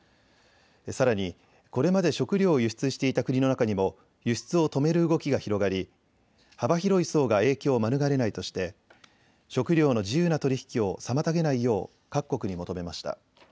さらに、これまで食料を輸出してしていた国の中にも輸出を止める動きが広がり幅広い層が影響を免れないとして食料の自由な取り引きを妨げないよう各国に求めました。